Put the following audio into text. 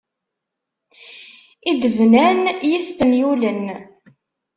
I d-bnan yispenyulen.